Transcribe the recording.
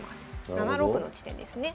７六の地点ですね。